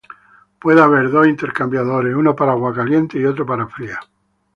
Puede haber dos intercambiadores, uno para agua caliente y otro para fría.